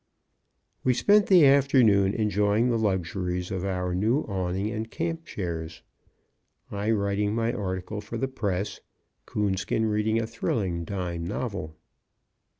We spent the afternoon enjoying the luxuries of our new awning and camp chairs; I writing my article for the press, Coonskin reading a thrilling dime novel.